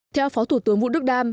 theo phó thủ tướng vũ đức đam